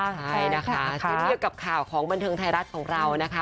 ใช่นะคะคือเทียบกับข่าวของบันเทิงไทยรัฐของเรานะคะ